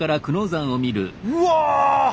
うわ！